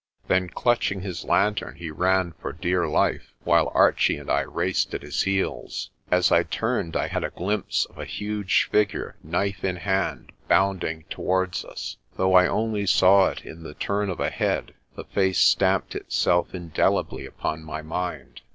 Then, clutching his lantern, he ran for dear life, while Archie and I raced at his heels. As I turned I had a glimpse of a huge figure, knife in hand, bounding towards us. Though I only saw it in the turn of a head, the face stamped itself indelibly upon my mind.